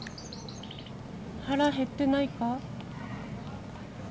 腹減ってないか？